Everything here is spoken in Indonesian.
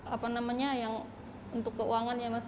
apa namanya yang untuk keuangan ya mas